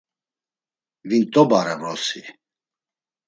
Vint̆obare vrosi.